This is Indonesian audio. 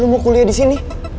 lo mau kuliah disini